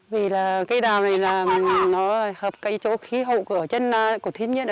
vì cây đào này hợp với khí hậu của thiên nhiên